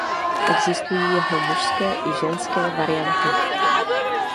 Existují jeho mužské i ženské varianty.